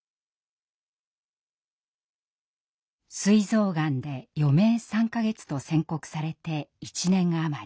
膵臓がんで余命３か月と宣告されて１年余り。